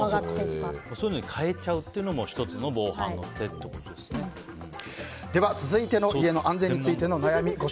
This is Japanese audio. そういうのに変えちゃうというのもでは、続いての家の安全についてのお悩み。